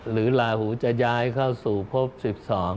หรือลาหูจะย้ายเข้าสู่ภพสิบสอง